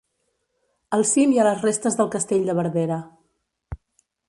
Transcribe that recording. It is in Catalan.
Al cim hi ha les restes del castell de Verdera.